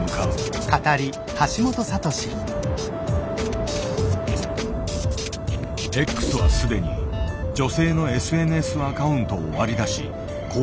Ｘは既に女性のＳＮＳアカウントを割り出し行動を観察していた。